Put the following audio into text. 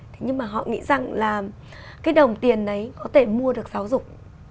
thế nhưng mà họ nghĩ rằng là cái đồng tiền đấy có thể mua được giáo dục